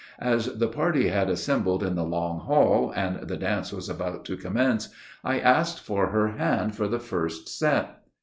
As the party had assembled in the long hall, and the dance was about to commence, I asked for her hand for the first set."